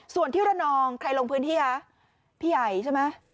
ส่วนที่ระนองใครลงพื้นที่คะพี่ใหญ่ใช่ไหม